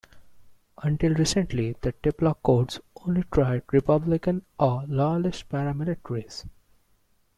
Until recently the Diplock courts only tried Republican or Loyalist paramilitaries.